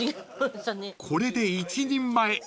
［これで１人前！